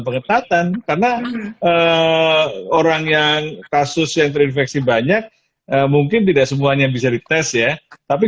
pengetatan karena orang yang kasus yang terinfeksi banyak mungkin tidak semuanya bisa dites ya tapi